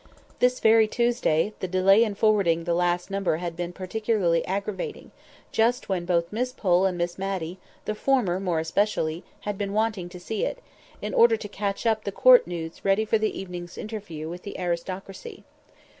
This very Tuesday, the delay in forwarding the last number had been particularly aggravating; just when both Miss Pole and Miss Matty, the former more especially, had been wanting to see it, in order to coach up the Court news ready for the evening's interview with aristocracy.